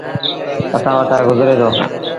اسآݩ وٽآ گزري دو۔